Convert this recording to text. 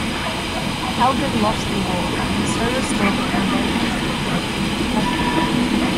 Kalgan lost the war, and so restored the Foundation's confidence in its purpose.